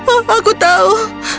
oh aku tahu